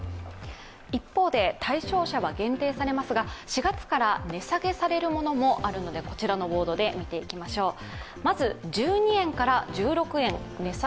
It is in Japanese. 一方で対象は限定されますが４月から値下げされるものもあるのでこちらのボードで見ていきましょう。